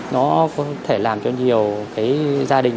nó có thể làm cho nhiều cái gia đình